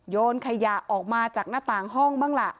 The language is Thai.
โยนขยะออกมาจากหน้าต่างห้องบ้างล่ะ